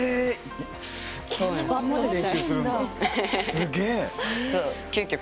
すげえ！